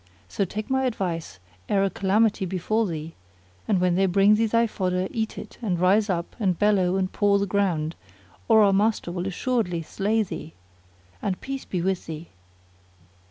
So take my advice ere a calamity befal thee; and when they bring thee thy fodder eat it and rise up and bellow and paw the ground, or our master will assuredly slay thee: and peace be with thee!"